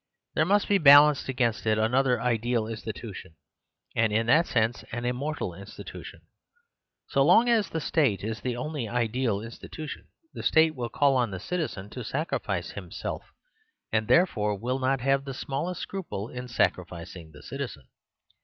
There must be balanced against it another ideal institution, and in that sense an immortal institution. So long as the state is the only ideal institution the state will call on the citizen to sacrifice himself, and therefore will not have the smallest scruple in sacri ficing the citizen.